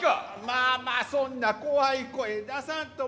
まあまあそんな怖い声出さんと。